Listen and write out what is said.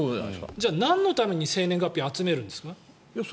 じゃあ、なんのために生年月日を集めるんですか？